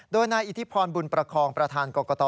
โดยนายอิทธิพรบุญประคองประธานกรกต